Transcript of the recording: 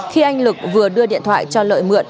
khi anh lực vừa đưa điện thoại cho lợi mượn